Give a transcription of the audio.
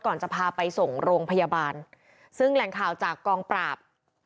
จะพาไปส่งโรงพยาบาลซึ่งแหล่งข่าวจากกองปราบ